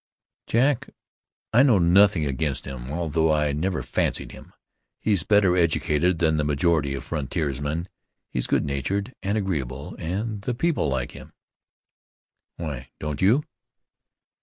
"Jack, I know nothing against him, although I never fancied him. He's better educated than the majority of frontiersmen; he's good natured and agreeable, and the people like him." "Why don't you?"